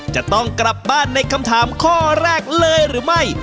จะต้องกลับบ้านในคำถามข้อแรกเลยหรือไม่